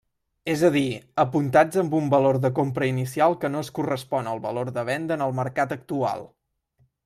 És a dir, apuntats amb un valor de compra inicial que no es correspon al valor de venda en el mercat actual.